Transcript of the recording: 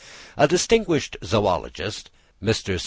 A distinguished zoologist, Mr. St.